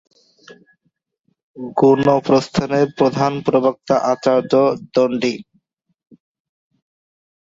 গুণপ্রস্থানের প্রধান প্রবক্তা আচার্য দন্ডী।